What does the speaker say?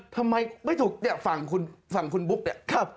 ทำไมไม่ถูกเนี่ยฝั่งคุณบุ๊กเนี่ย